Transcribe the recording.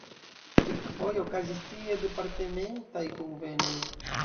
Kelkfoje okazis tie departementaj kunvenoj.